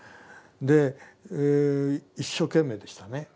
で一生懸命でしたね。